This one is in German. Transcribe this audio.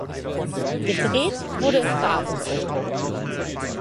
Gedreht wurde in Farbe.